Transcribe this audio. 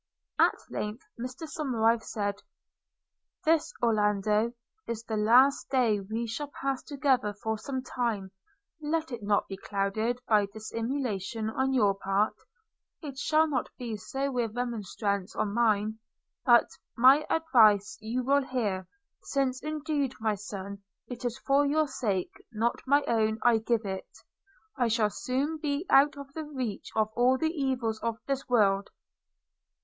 At length Mr Somerive said, 'This, Orlando, is the last day way shall pass together for some time – let it not be clouded by dissimulation on your part; it shall not be so with remonstrance on mine; but my advice you will hear, since indeed, my son, it is for your sake, not my own, I give it – I shall soon be out of the reach of all the evils of this world!'